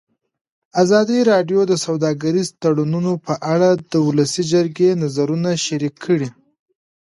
ازادي راډیو د سوداګریز تړونونه په اړه د ولسي جرګې نظرونه شریک کړي.